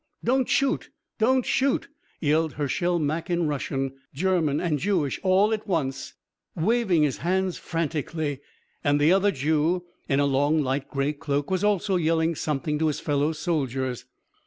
"Don't shoot!... Don't shoot!" yelled Hershel Mak in Russian, German and Jewish all at once, waving his hands frantically. And the other Jew, in a long light grey cloak was also yelling something to his fellow soldiers.